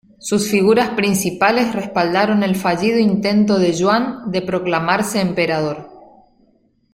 Sus figuras principales respaldaron el fallido intento de Yuan de proclamarse emperador.